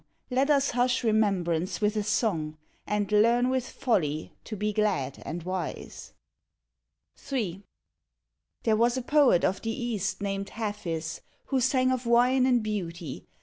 let us hush remembrance with a song, And learn with folly to be glad and wise. III. There was a poet of the East named Hafiz, Who sang of wine and beauty.